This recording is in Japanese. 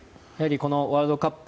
このワールドカップ